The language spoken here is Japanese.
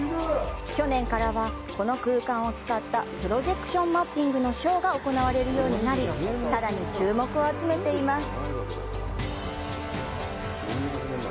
去年からは、この空間を使ったプロジェクションマッピングのショーが行われるようになり、さらに注目を集めています。